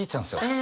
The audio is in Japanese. え！